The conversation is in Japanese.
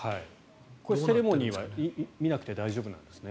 これ、セレモニーは見なくて大丈夫なんですね。